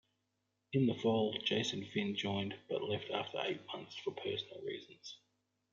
In the fall, Jason Finn joined, but left after eight months for personal reasons.